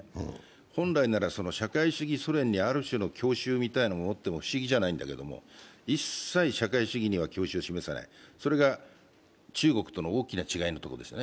本来なら社会主義ソ連にある種の郷愁みたいなものがあっても不思議じゃないんですけれども、一切、社会主義には郷愁を示さないそれが中国との大きな違いのところですね。